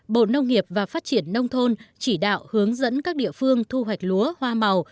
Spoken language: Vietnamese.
bộ nông nghiệp và phát triển nông thôn chỉ đạo hướng dẫn các địa phương thu hoạch lúa hoa màu